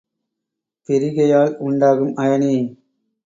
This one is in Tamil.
பிரிகையால் உண்டாகும் அயனி.